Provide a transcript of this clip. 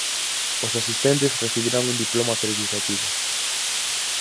Os asistentes recibirán un diploma acreditativo.